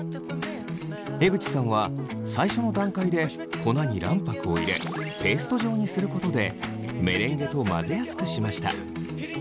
江口さんは最初の段階で粉に卵白を入れペースト状にすることでメレンゲと混ぜやすくしました。